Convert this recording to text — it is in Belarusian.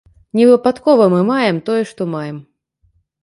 Не выпадкова мы маем, тое, што маем.